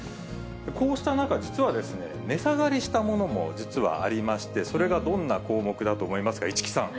こうした中、実はですね、値下がりしたものも実はありまして、それがどんな項目だと思いますか？